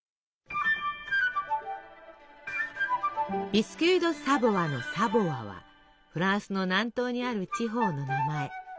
ビスキュイ・ド・サヴォワの「サヴォワ」はフランスの南東にある地方の名前。